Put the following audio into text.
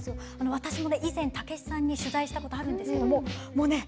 私も以前武子さんに取材したことあるんですけどももうね